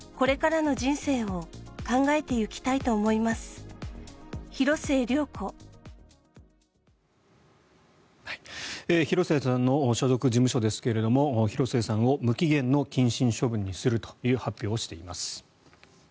今後について、広末さんは。広末さんの所属事務所ですが広末さんを無期限の謹慎処分にするという発表をしています。